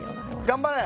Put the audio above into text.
頑張れ！